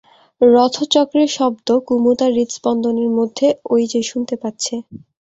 রথচক্রের শব্দ কুমু তার হৃৎস্পন্দনের মধ্যে ঐ-যে শুনতে পাচ্ছে।